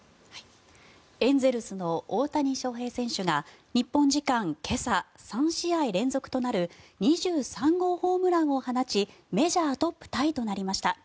エンゼルスの大谷翔平選手が日本時間今朝３試合連続となる２３号ホームランを放ちメジャートップタイとなりました。